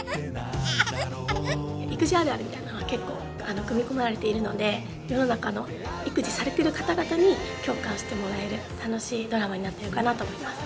育児あるあるみたいなのが結構組み込まれているので世の中の育児されてる方々に共感してもらえる楽しいドラマになってるかなと思います。